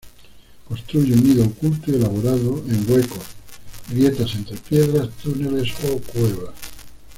Construye un nido oculto y elaborado, en huecos, grietas entre piedras, túneles o cuevas.